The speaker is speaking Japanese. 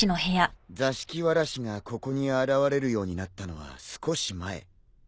座敷童がここに現れるようになったのは少し前。